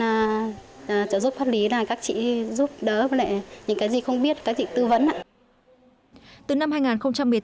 và trợ giúp pháp lý là các chị giúp đỡ những cái gì không biết thì các chị tư vấn